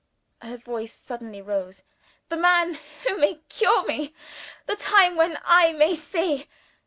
Her voice suddenly rose. "The man who may cure me! the time when I may see!"